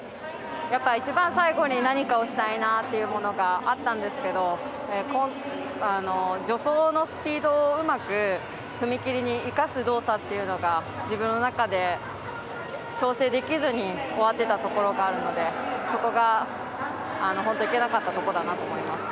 一番最後に何かをしたいなというものがあったんですけど助走のスピードをうまく踏み切りに生かす動作が自分の中で調整できずに終わっていたところがあったのでそこが、本当にいけなかったところだと思います。